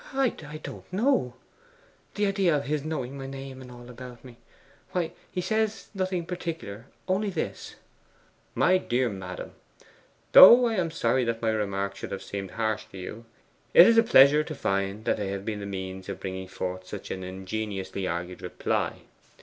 'I don't know. The idea of his knowing my name and all about me!...Why, he says nothing particular, only this '"MY DEAR MADAM, Though I am sorry that my remarks should have seemed harsh to you, it is a pleasure to find that they have been the means of bringing forth such an ingeniously argued reply.